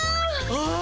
ああ！